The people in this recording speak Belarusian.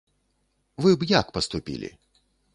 Вы б як паступілі?